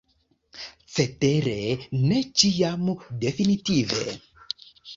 Cetere ne ĉiam definitive.